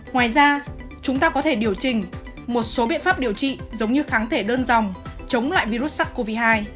ngoài ra chúng ta có thể điều chỉnh một số biện pháp điều trị giống như kháng thể đơn dòng chống lại virus sars cov hai